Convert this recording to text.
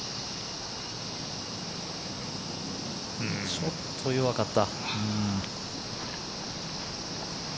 ちょっと弱かった。